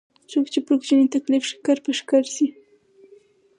څوک چې پر کوچني تکليف ښکر په ښکر شي.